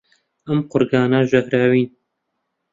ئەم قوارگانە ژەهراوین.